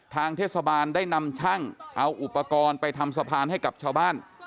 ทางเทศบาลได้นำช่างเอาอุปกรณ์ไปทำสะพานให้กับชาวบ้าน